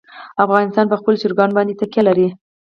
افغانستان په خپلو چرګانو باندې تکیه لري.